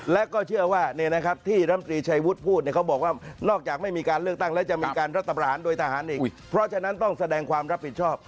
และก็เชื่อว่าเนี่ยนะครับที่